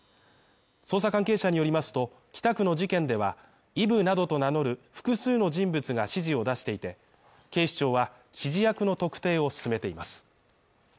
捜査関係者によりますと、北区の事件では、イブなどと名乗る複数の人物が指示を出していて、警視庁は、指示役の特定を進めています。